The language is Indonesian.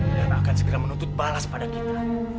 dan akan segera menuntut balas pada kita